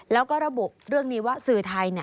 แล้วก็ระบุเรื่องนี้ว่าสื่อไทย